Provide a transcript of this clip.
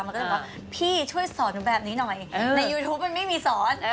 มันก็เลยบอกว่าพี่ช่วยสอนหนูแบบนี้หน่อยในยูทูปมันไม่มีสอน